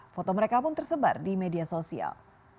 foto mereka pun tersebar di media sosial